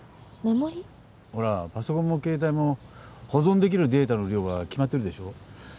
ほらパソコンも携帯も保存できるデータの量は決まってるでしょ？